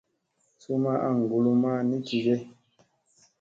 Su ma aŋ ngulumma ni kige.